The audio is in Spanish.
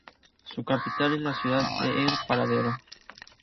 Su capital es la ciudad de El Paradero.